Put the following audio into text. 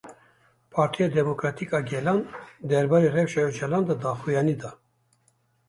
Partiya Demokratîk a Gelan derbarê rewşa Ocalan de daxuyanî da.